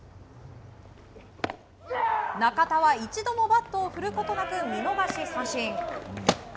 中田は一度もバットを振ることなく見逃し三振。